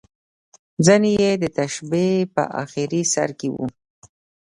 ځینې یې د تشبیه په اخري سر کې وو.